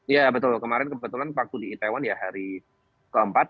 ya betul kemarin kebetulan waktu di itaewon ya hari keempat